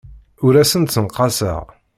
Ur asen-d-ssenqaseɣ.